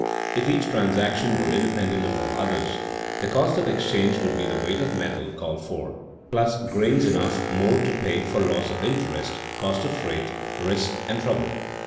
If each transaction were independent of all others, the cost of exchange would be the weight of metal called for, plus grains enough more to pay for loss of interest, cost of freight, risk, and trouble.